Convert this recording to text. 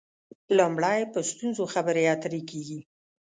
لومړی په ستونزو خبرې اترې کېږي.